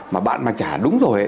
mà bạn mà trả đúng rồi ấy